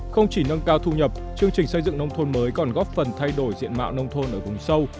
không chỉ nâng cao thu nhập chương trình xây dựng nông thôn mới còn góp phần thay đổi diện mạo nông thôn ở vùng sâu